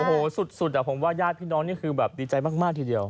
โอ้โหสุดผมว่าญาติพี่น้องนี่คือแบบดีใจมากทีเดียว